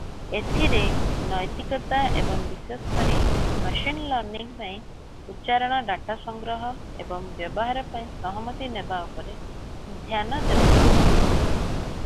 ଏଥିରେ ନୈତିକତା ଏବଂ ବିଶେଷକରି ମେସିନ୍ ଲର୍ଣ୍ଣିଂ ପାଇଁ ଉଚ୍ଚାରଣ ଡାଟା ସଂଗ୍ରହ ଏବଂ ବ୍ୟବହାର ପାଇଁ ସହମତି ନେବା ଉପରେ ଧ୍ୟାନ ଦେବାକୁ ପଡ଼ିବ ।